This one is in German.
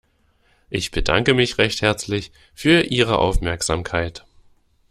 Ich bedanke mich recht herzlich für Ihre Aufmerksamkeit.